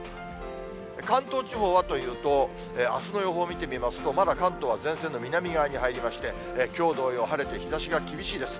関東地方はというと、あすの予報見てみますと、まだ関東は前線の南側に入りまして、きょう同様晴れて、日ざしが厳しいです。